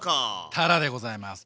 たらでございます。